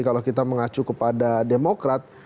kalau kita mengacu kepada demokrat